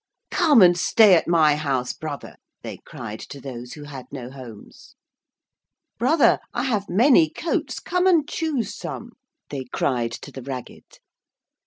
'Come and stay at my house, brother,' they cried to those who had no homes. 'Brother, I have many coats, come and choose some,' they cried to the ragged.